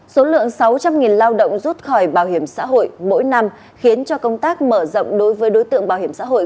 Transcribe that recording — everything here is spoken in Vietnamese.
số lượng sáu trăm linh lao động rút khỏi bảo hiểm xã hội mỗi năm khiến cho công tác mở rộng đối với đối tượng bảo hiểm xã hội